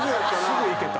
すぐいけた。